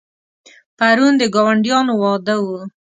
پرون د ګاونډیانو واده و.